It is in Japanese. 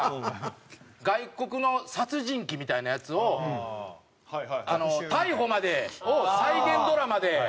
外国の殺人鬼みたいなやつをあの逮捕までを再現ドラマで。